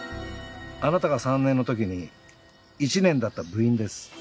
あなたが３年のときに１年だった部員です。